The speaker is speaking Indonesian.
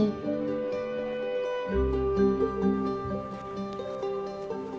dijen cipta karya kementerian pupr